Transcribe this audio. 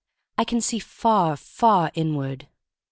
I can see far, far inward.